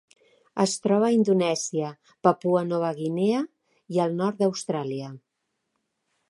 Es troba a Indonèsia, Papua Nova Guinea i el nord d'Austràlia.